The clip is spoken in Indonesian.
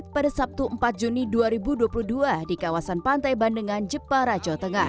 pada sabtu empat juni dua ribu dua puluh dua di kawasan pantai bandengan jepara jawa tengah